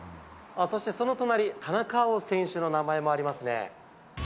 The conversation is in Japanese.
そして、その隣、田中碧選手の名前もありますね。